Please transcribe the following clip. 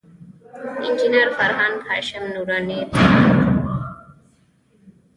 انجینر فرهنګ، هاشم نوراني، ځلاند.